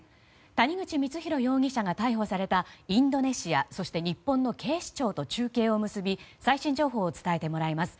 谷口光弘容疑者が逮捕されたインドネシアそして日本の警視庁と中継を結び最新情報を伝えてもらいます。